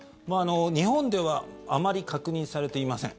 日本ではあまり確認されていません。